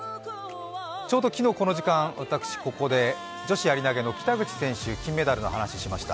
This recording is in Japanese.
ちょうど昨日この時間私、ここで女子やり投げの北口選手、金メダルの話をしました。